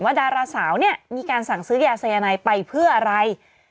ดาราสาวเนี่ยมีการสั่งซื้อยาสายนายไปเพื่ออะไร